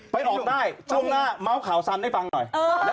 ไม่ออกได้ช่วงหน้าม้าข่าวทรำให้ฟังหน่อย